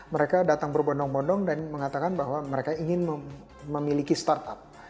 mereka datang berbondong bondong dan mengatakan bahwa mereka ingin memiliki startup